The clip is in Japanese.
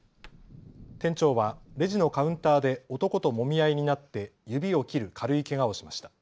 店長はレジのカウンターで男ともみ合いになって指を切る軽いけがをしました。